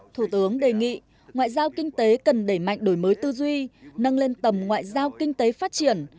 thủ tướng đề nghị ngoại giao kinh tế cần đẩy mạnh đổi mới tư duy nâng lên tầm ngoại giao kinh tế phát triển